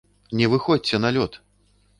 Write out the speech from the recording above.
Не выходзьце на лёд!